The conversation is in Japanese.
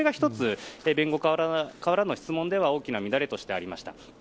１つ弁護側からの質問では大きな乱れとしてありました。